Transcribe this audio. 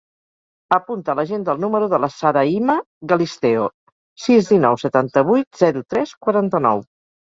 Apunta a l'agenda el número de la Sarayma Galisteo: sis, dinou, setanta-vuit, zero, tres, quaranta-nou.